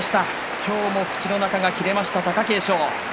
今日も口の中が切れました貴景勝。